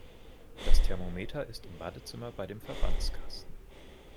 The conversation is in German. Das Thermometer ist im Badezimmer bei dem Verbandskasten.